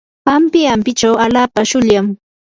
ampi ampichaw allaapa shuylam.